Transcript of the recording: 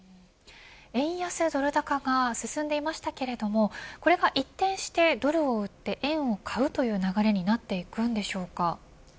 円安ドル高が進んでいましたがこれが一転して、ドルを売って円を買うという流れになっていくのでしょうか。